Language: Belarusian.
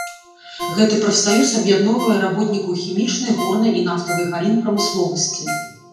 Гэты прафсаюз аб'ядноўвае работнікаў хімічнай, горнай і нафтавай галін прамысловасці.